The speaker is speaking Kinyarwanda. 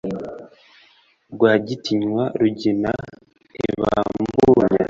Rwagitinywa Rugina ntibamburanya,